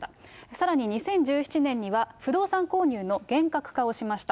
さらに２０１７年には、不動産購入の厳格化をしました。